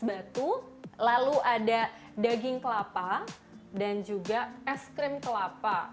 batu lalu ada daging kelapa dan juga es krim kelapa